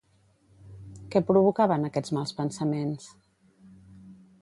Què provocaven aquests mals pensaments?